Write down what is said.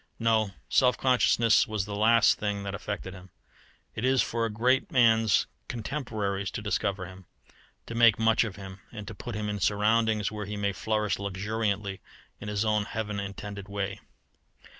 No; self consciousness was the last thing that affected him. It is for a great man's contemporaries to discover him, to make much of him, and to put him in surroundings where he may flourish luxuriantly in his own heaven intended way.